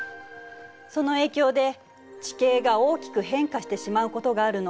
その影響で地形が大きく変化してしまうことがあるの。